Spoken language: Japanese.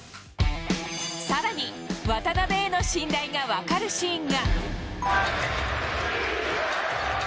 さらに、渡邊への信頼が分かるシーンが。